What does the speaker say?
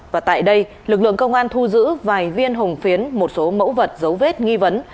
và tại đây lực lượng công an thu giữ vài viên hồng phiến một số mẫu vật dấu vết nghi vấn